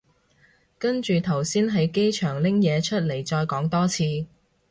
跟住頭先喺機場拎嘢出嚟再講多次